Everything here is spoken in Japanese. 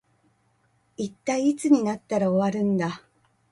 一体いつになったら終わるんだ